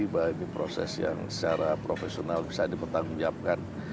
bahwa ini proses yang secara profesional bisa dipertanggungjawabkan